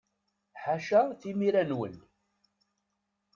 Ḥaca timira-nwen!